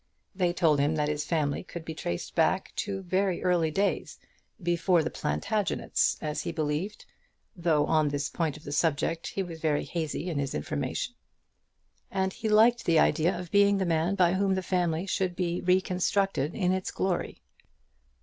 They told him that his family could be traced back to very early days, before the Plantagenets, as he believed, though on this point of the subject he was very hazy in his information, and he liked the idea of being the man by whom the family should be reconstructed in its glory.